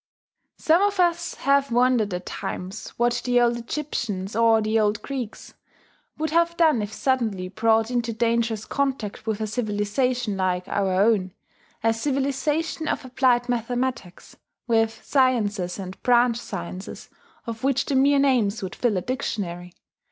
Some of us have wondered at times what the old Egyptians or the old Greeks would have done if suddenly brought into dangerous contact with a civilization like our own, a civilization of applied mathematics, with sciences and branch sciences of which the mere names would fill a dictionary.